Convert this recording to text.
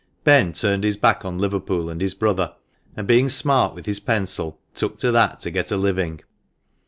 Ben turned his back on Liverpool and his brother, and being smart with his pencil, took to that to get a living.